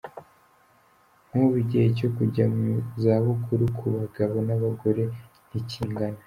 Nk’ubu igihe cyo kujya mu zabukuru ku bagabo n’abagore ntikingana.